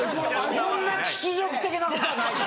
こんな屈辱的なことはない！